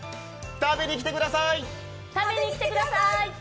食べに来てください！